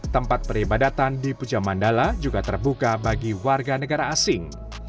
tempat peribadatan di pujamandala juga terbuka bagi warga negara asing